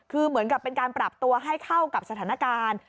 คือเหมือนกับเป็นการปรับตัวให้เข้ากับสถานการณ์